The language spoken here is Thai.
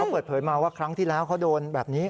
เปิดเผยมาว่าครั้งที่แล้วเขาโดนแบบนี้